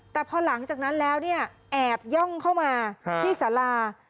แต่พอหลังจากนั้นแล้วเนี่ยแอบย่องเข้ามาที่สารา